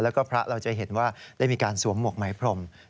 แล้วก็พระเราจะเห็นว่าได้มีการสวมหมวกไหมพรม